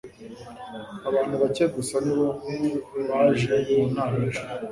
Abantu bake gusa ni bo baje mu nama ejo.